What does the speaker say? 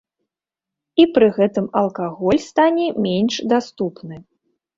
І пры гэтым алкаголь стане менш даступны.